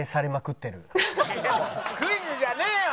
クイズじゃねえよ！